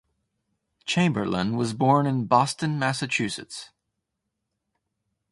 Chamberlain was born in Boston, Massachusetts.